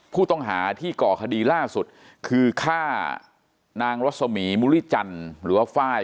ผู้ต้องหาที่ก่อคดีล่าสุดคือฆ่านางรสมีมุริจันทร์หรือว่าไฟล์